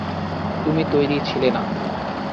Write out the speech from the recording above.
তুমি তৈরি ছিলে না।